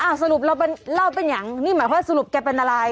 อ่ะสรุปเราเป็นเล่าเป็นอย่างนี่หมายความสรุปแกเป็นอะไรอ๋อ